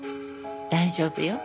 大丈夫よ。